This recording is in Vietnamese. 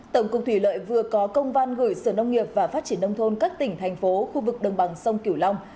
tổng cục thủy lợi vừa có công văn gửi sở nông nghiệp và phát triển nông thôn các tỉnh thành phố khu vực đồng bằng sông kiểu long